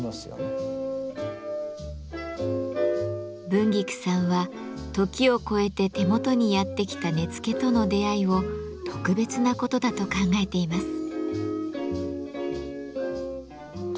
文菊さんは時を超えて手元にやって来た根付との出会いを特別なことだと考えています。